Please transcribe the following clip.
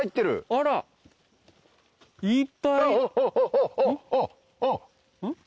あっあっ！